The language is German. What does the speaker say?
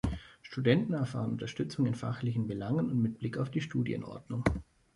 Studenten erfahren Unterstützung in fachlichen Belangen und mit Blick auf die Studienordnung.